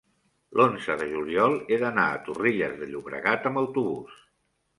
l'onze de juliol he d'anar a Torrelles de Llobregat amb autobús.